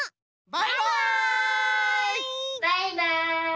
バイバイ！